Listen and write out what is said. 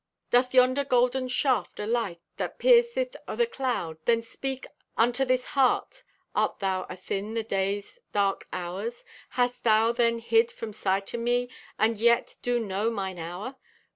Doth yonder golden shaft o' light That pierceth o' the cloud Then speak unto this heart? Art thou athin the day's dark hours? Hast thou then hid from sight o' me, And yet do know mine hour?